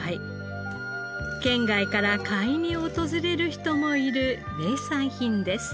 県外から買いに訪れる人もいる名産品です。